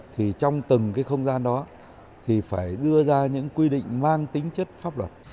thì trong từng cái không gian đó thì phải đưa ra những quy định mang tính chất pháp luật